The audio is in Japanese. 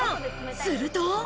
すると。